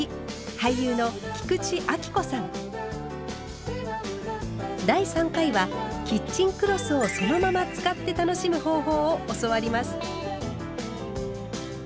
俳優の第３回はキッチンクロスをそのまま使って楽しむ方法を教わります。